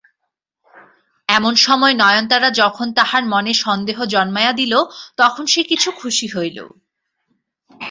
এমন সময় নয়নতারা যখন তাহার মনে সন্দেহ জন্মাইয়া দিল তখন সে কিছু খুশি হইল।